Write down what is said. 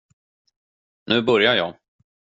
Nu börjar jag.